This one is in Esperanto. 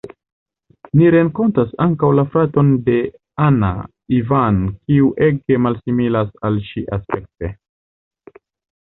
Ni renkontas ankaŭ la fraton de Anna, Ivan, kiu ege malsimilas al ŝi aspekte.